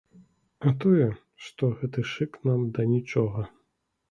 А тое, што гэты шык нам да нічога.